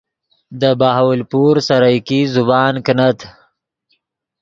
دے بہاولپور سرائیکی زبان کینت